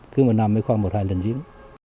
cứ một năm mới khoan một hai lần diễn